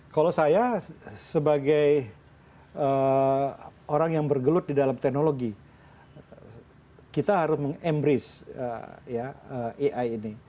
kalau saya sebagai orang yang bergelut di dalam teknologi kita harus meng embrace ai ini